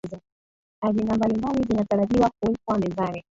agenda mbalimbali zinatarajiwa kuwekwa mezani